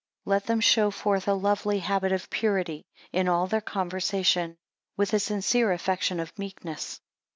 9 Let them show forth a lovely habit of purity, in all their conversation; with a sincere affection of meekness.